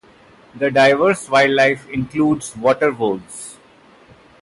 The diverse wildlife includes water voles.